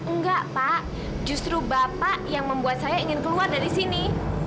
enggak pak justru bapak yang membuat saya ingin keluar dari sini